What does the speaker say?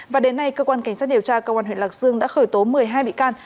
và đến nay cơ quan cảnh sát điều tra công an huyện lạc dương đã khởi tố một mươi hai bị can